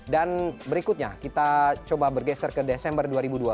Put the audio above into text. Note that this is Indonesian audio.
dan berikutnya kita coba bergeser ke desember dua ribu dua puluh